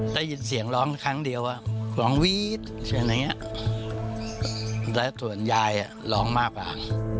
ได้ยินเสียงร้องครั้งเดียวร้องวีดเสียงและส่วนยายร้องมากกว่า